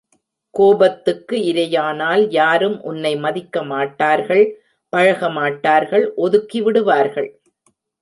கோபத்துக்கு இரையானால் யாரும் உன்னை மதிக்க மாட்டார்கள் பழகமாட்டார்கள் ஒதுக்கிவிடுவார்கள்.